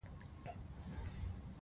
لکه د نوي ښار د تعمیراتو په برخو کې.